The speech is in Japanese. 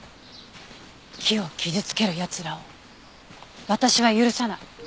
木を傷つける奴らを私は許さない。